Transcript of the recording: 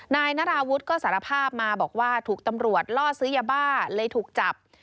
นายนาราวุฒิก็สารภาพมาบอกว่าถูกตำรวจล่อซื้อยาบ้าเลยถูกจับ